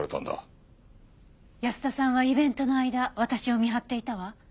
保田さんはイベントの間私を見張っていたわ。